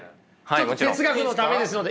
ちょっと哲学のためですので。